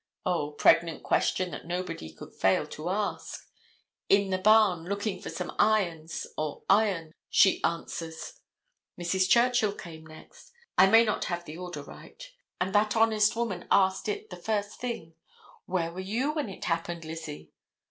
O, pregnant question that nobody could fail to ask. "In the barn looking for some irons or iron," she answers. Mrs. Churchill came next—I may not have the order right—and that honest woman asked it the first thing, "Where were you when it happened, Lizzie?"